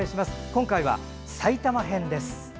今回は埼玉編です。